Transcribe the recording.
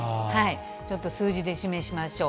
ちょっと数字で示しましょう。